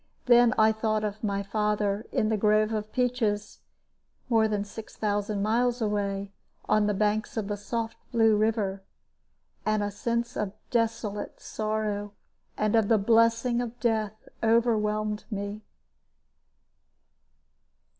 Then I thought of my father in the grove of peaches, more than six thousand miles away, on the banks of the soft Blue River. And a sense of desolate sorrow and of the blessing of death overwhelmed me.